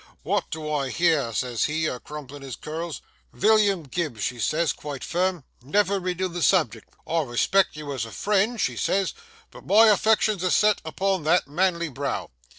"Wot do I hear!" says he, a crumplin' his curls. "Villiam Gibbs," she says, quite firm, "never renoo the subject. I respect you as a friend," she says, "but my affections is set upon that manly brow."